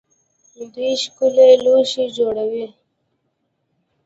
دوی ښکلي لوښي جوړوي.